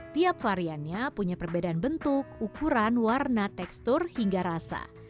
tiap variannya punya perbedaan bentuk ukuran warna tekstur hingga rasa